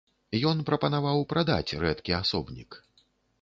Ён прапанаваў прадаць рэдкі асобнік.